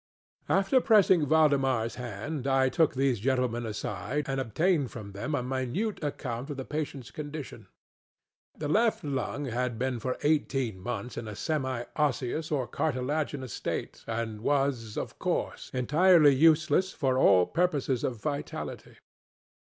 After pressing ValdemarŌĆÖs hand, I took these gentlemen aside, and obtained from them a minute account of the patientŌĆÖs condition. The left lung had been for eighteen months in a semi osseous or cartilaginous state, and was, of course, entirely useless for all purposes of vitality.